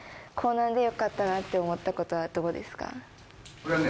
それはね